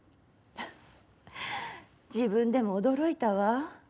自分でも驚いたわ。